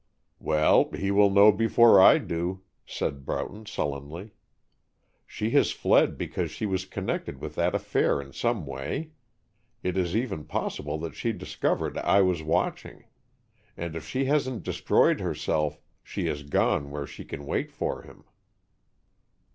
"Well, he will know before I do," said Broughton, sullenly. "She has fled because she was connected with that affair in some way. It is even possible that she discovered I was watching. And if she hasn't destroyed herself, she has gone where she can wait for him."